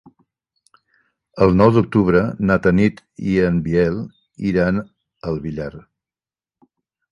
El nou d'octubre na Tanit i en Biel iran al Villar.